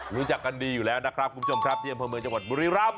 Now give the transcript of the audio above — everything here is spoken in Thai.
รู้จักกันดีอยู่แล้วนะครับคุณผู้ชมครับที่อำเภอเมืองจังหวัดบุรีรำ